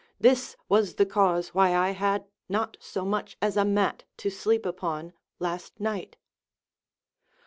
This Λvas the cause why I had not so much as a mat to sleep upon last night.